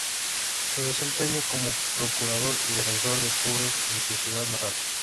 Se desempeñó como procurador y Defensor de Pobres en su ciudad natal.